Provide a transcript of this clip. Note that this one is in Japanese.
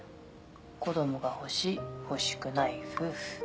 「子どもが欲しい欲しくない夫婦」